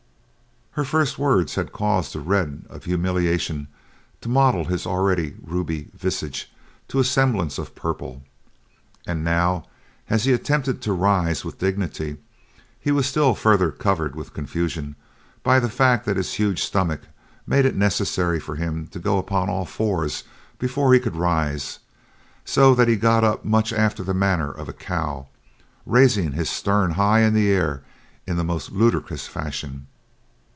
Her first words had caused the red of humiliation to mottle his already ruby visage to a semblance of purple, and now, as he attempted to rise with dignity, he was still further covered with confusion by the fact that his huge stomach made it necessary for him to go upon all fours before he could rise, so that he got up much after the manner of a cow, raising his stern high in air in a most ludicrous fashion.